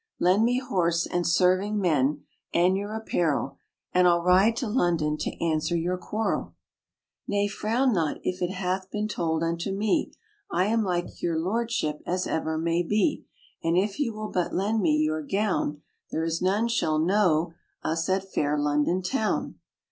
Lend me horse, and serving men, and your apparel, And I'll ride to London to answer your quarrel. RAINBOW GOLD "Nay, frown not, if it hath been told unto me, I am like your lordship, as ever may be; And if you will but lend me your gown, There is none shall know us at fair London town.'